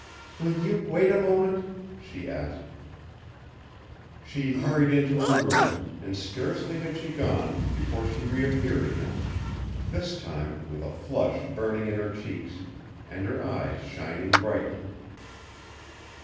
"Will you wait a moment?" she asked. She hurried into her room, and scarcely had she gone before she reappeared again, this time with a flush burning in her cheeks and her eyes shining brightly.